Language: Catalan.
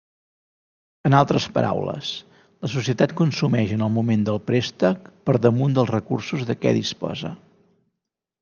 En altres paraules, la societat consumeix en el moment del préstec per damunt dels recursos de què disposa.